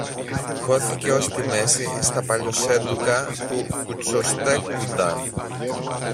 χώθηκε ως τη μέση στα παλιοσέντουκα που κουτσοστέκουνταν